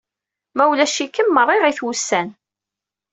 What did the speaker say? Ma ulac-ikem meṛṛeɣit wussan!